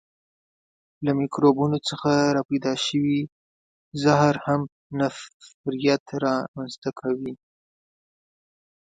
له میکروبونو څخه را پیدا شوی زهر هم نفریت را منځ ته کوي.